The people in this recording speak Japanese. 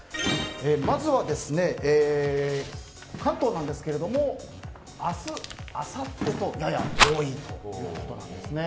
まずは、関東なんですけども明日、あさってとやや多いということなんです。